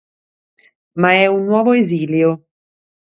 Ma è un nuovo esilio.